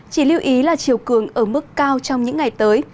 chỉ lưu ý là chiều cường ở mức cao trong những ngày tới